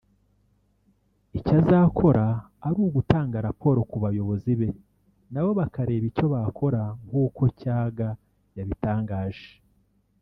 icyo azakora ari ugutanga raporo ku bayobozi be nabo bakareba icyo bakora; nk’uko Cyaga yabitangaje